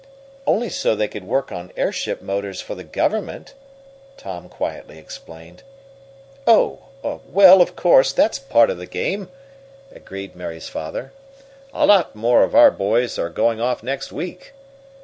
"Only so they could work on airship motors for the Government," Tom quietly explained. "Oh! Well, of course, that's part of the game," agreed Mary's father. "A lot more of our boys are going off next week.